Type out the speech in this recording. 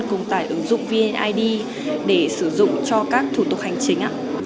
cùng tài ứng dụng vneid để sử dụng cho các thủ tục hành chính